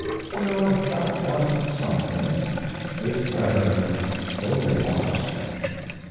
Still, that was something it's better than a total loss.